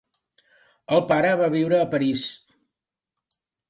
El pare va viure a París.